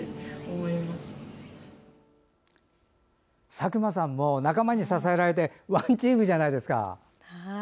佐久間さんも仲間に支えられてワンチームじゃないですか。